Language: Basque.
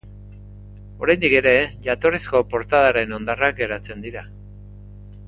Oraindik ere jatorrizko portadaren hondarrak geratzen dira.